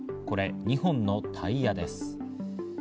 これ、２本のタイヤです。